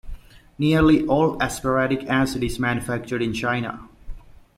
Nearly all aspartic acid is manufactured in China.